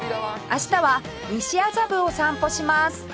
明日は西麻布を散歩します